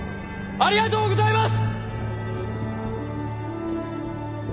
ありがとうございます！